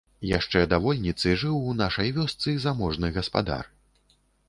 Яшчэ да вольніцы жыў у нашай вёсцы заможны гаспадар.